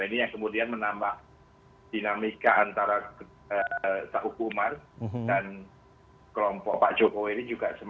ini yang kemudian menambah dinamika antara tak hukuman dan kelompok pak jokowi ini juga semacam itu